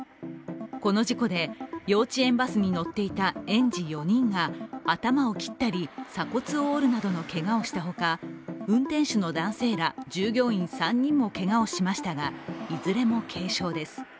この事故で幼稚園バスに乗っていた園児４人が頭を切ったり鎖骨を折るなどのけがをしたほか運転手の男性ら従業員３人もけがをしましたが、いずれも軽傷です。